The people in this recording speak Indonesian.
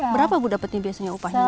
berapa bu dapetin biasanya upahnya